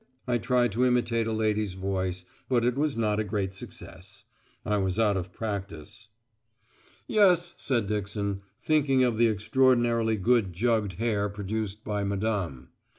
'" I tried to imitate a lady's voice, but it was not a great success. I was out of practice. "Yes," said Dixon, thinking of the extraordinarily good jugged hare produced by Madame.